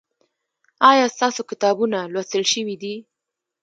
ایا ستاسو کتابونه لوستل شوي دي؟